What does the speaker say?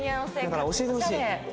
だから教えてほしい。